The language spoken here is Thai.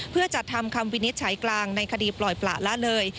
เพื่อจัดทำคำวินิจฉัยกลางในคดีปล่อยปละละเลย